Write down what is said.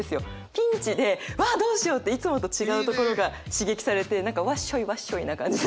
ピンチでうわどうしようっていつもと違うところが刺激されて何かわっしょいわっしょいな感じで。